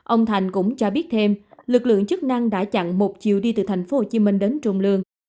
ông thành cũng cho biết thêm lực lượng chức năng đã chặn một chiều đi từ thành phố hồ chí minh đến trung lương